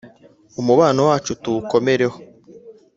Umubano wacu tuwukomereho